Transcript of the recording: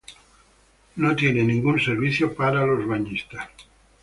No tiene ningún servicio para los bañistas.